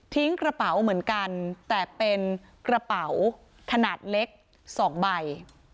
กระเป๋าเหมือนกันแต่เป็นกระเป๋าขนาดเล็ก๒ใบ